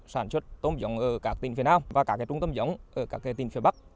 sản xuất tôm dòng ở các tỉnh phía nam và các trung tâm dòng ở các tỉnh phía bắc